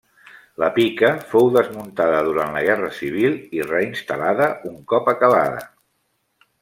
La pica fou desmuntada durant la Guerra Civil i reinstal·lada un cop acabada.